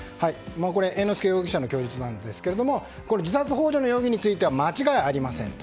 猿之助容疑者の供述ですが自殺幇助の容疑については間違いありませんと。